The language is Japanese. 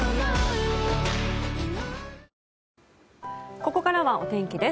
ここからはお天気です。